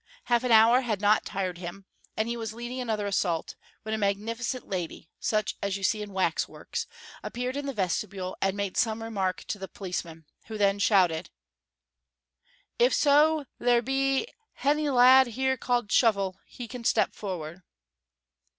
Half an hour had not tired him, and he was leading another assault, when a magnificent lady, such as you see in wax works, appeared in the vestibule and made some remark to a policeman, who then shouted: "If so there be hany lad here called Shovel, he can step forrard."